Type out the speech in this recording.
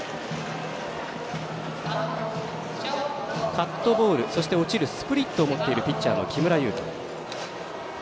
カットボール、そして落ちるスプリットを持っているピッチャーの木村優人。